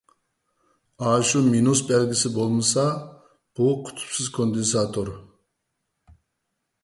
ئاشۇ مىنۇس بەلگىسى بولمىسا، بۇ قۇتۇپسىز كوندېنساتور.